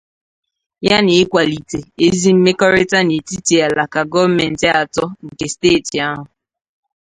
ya na ịkwàlite ezi mmekọrịta n'etiti alaka gọọmenti atọ nke steeti ahụ